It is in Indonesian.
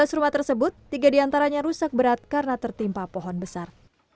dari empat belas rumah tersebut tiga di antaranya rusak berat karena tertimpa pohon besar